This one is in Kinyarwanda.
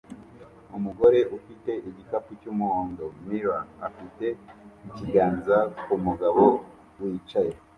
Umugore ufite igikapu cyumuhondo "Miller" afite ikiganza kumugabo wicaye